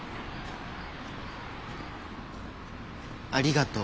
ありがとう。